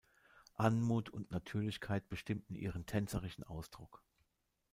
Anmut und Natürlichkeit bestimmten ihren tänzerischen Ausdruck.